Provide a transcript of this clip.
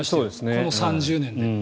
この３０年で。